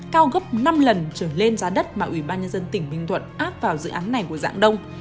cao gấp năm lần trở lên giá đất mà ubnd tỉnh bình thuận áp vào dự án này của giảng đông